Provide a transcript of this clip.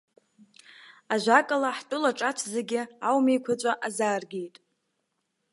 Ажәакала, ҳтәыла-ҿацә зегьы аумеиқәаҵәа азааргеит.